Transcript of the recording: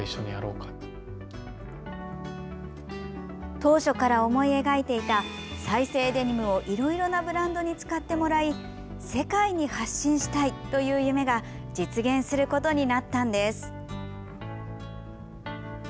当初から思い描いていた再生デニムをいろいろなブランドに使ってもらい世界に発信したいという夢が実現することになったんです。